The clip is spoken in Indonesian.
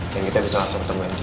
ya kita bisa langsung temuin dia